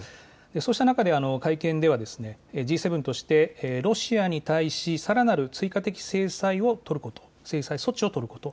そうした中、会見ではＧ７としてロシアに対し、さらなる追加的制裁措置をとること。